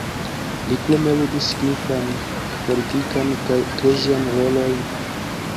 Li krome ludis signifan politikan kaj eklezian rolojn.